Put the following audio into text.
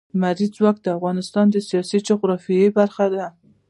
لمریز ځواک د افغانستان د سیاسي جغرافیه برخه ده.